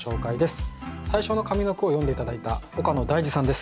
最初の上の句を詠んで頂いた岡野大嗣さんです。